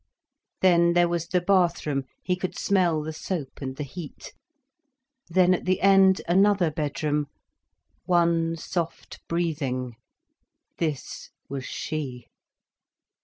Then there was the bathroom, he could smell the soap and the heat. Then at the end another bedroom—one soft breathing. This was she.